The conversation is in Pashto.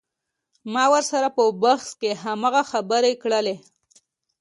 ما ورسره په بحث کښې هماغه خبرې کړلې.